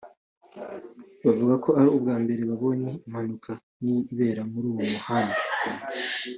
bavuga ko ari ubwa mbere babonye impanuka nk’iyi ibera muri uwo muhanda